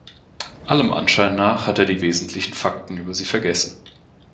Allem Anschein nach hat er die wesentlichen Fakten über sie vergessen.